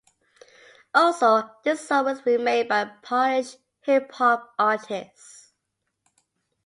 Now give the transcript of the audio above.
Also this song was remade by Polish hip hop artists.